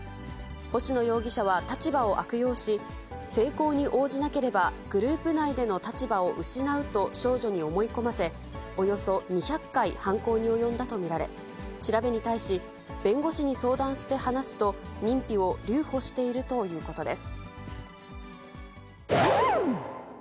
星野容疑者は立場を悪用し、性交に応じなければグループ内での立場を失うと、少女に思い込ませ、およそ２００回犯行に及んだと見られ、調べに対し、弁護士に相談して話すと、認否を留保しているということです。